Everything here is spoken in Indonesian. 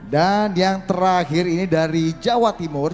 dan yang terakhir ini dari jawa timur